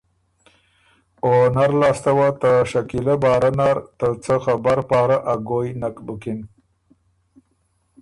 او نر لاسته وه ته شکیلۀ باره نر ته څه خبر پاره ا ګوی نک بُکِن